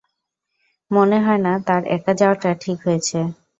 মনে হয় না তার একা যাওয়াটা ঠিক হয়েছে।